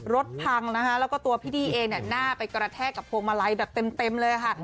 รถพังนะคะแล้วก็ตัวพี่ดี้เองเนี่ยหน้าไปกระแทกกับพวงมาลัยแบบเต็มเลยค่ะ